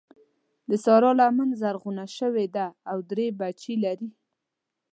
د سارا لمن زرغونه شوې ده او درې بچي لري.